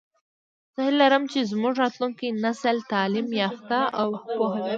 زه هیله لرم چې زمونږ راتلونکی نسل تعلیم یافته او پوهه وي